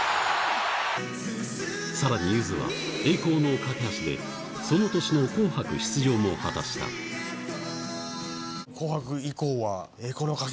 さらにゆずは『栄光の架橋』でその年の『紅白』出場も果たした『紅白』以降は。